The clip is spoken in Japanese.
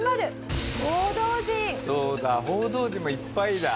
そうだ報道陣もいっぱいだ。